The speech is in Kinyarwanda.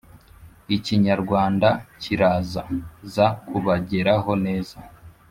Ikinyarwand kiraza za kubageraho neza